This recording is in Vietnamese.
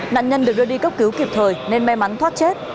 nạn nhân được đưa đi cấp cứu kịp thời nên may mắn thoát chết